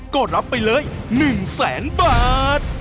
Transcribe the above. ก็รับไปเลย๑แสนบาท